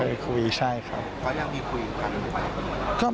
มันยังคุยกันหรือเปล่า